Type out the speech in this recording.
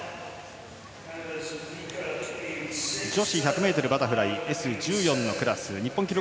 女子１００ｍバタフライＳ１４のクラス日本記録